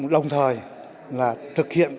đồng thời là thực hiện